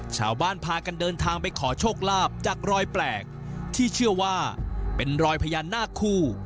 ชาวบ้านพากันเดินทางไปขอโชคลาภจากรอยแปลกที่เชื่อว่าเป็นรอยพญานาคคู่